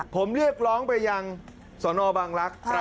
ผมเรียกร้องไปยังสนบังลักษณ์